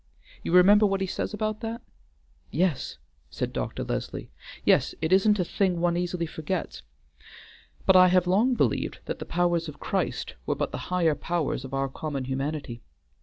You remember what he says about that?" "Yes," said Dr. Leslie. "Yes, it isn't a thing one easily forgets. But I have long believed that the powers of Christ were but the higher powers of our common humanity.